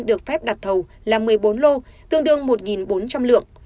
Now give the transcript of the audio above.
được phép đặt thầu là một mươi bốn lô tương đương một bốn trăm linh lượng